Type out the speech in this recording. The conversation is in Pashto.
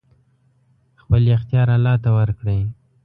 خپل اختيار الله ته ورکړئ!